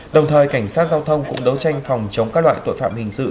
đồng thời cảnh sát giao thông cũng đấu tranh phòng chống các loại tội phạm hình sự